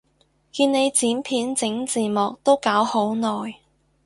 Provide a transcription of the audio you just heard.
見你剪片整字幕都搞好耐